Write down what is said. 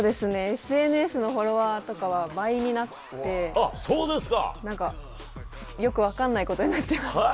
ＳＮＳのフォロワーとかは倍になってよく分からないことになってます。